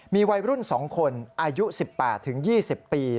มีวัยรุ่น๒คนอายุ๑๘๒๐ปี